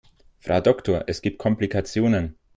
Frau Doktor, es gibt Komplikationen.